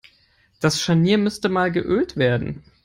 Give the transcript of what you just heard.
Das Scharnier müsste mal geölt werden.